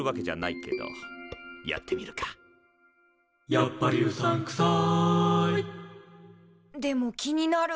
「やっぱりうさんくさい」でも気になる。